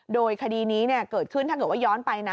โดยคดีนี้เกิดขึ้นถ้าเกิดว่าย้อนไปนะ